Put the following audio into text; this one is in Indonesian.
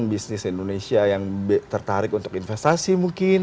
bisnis indonesia yang tertarik untuk investasi mungkin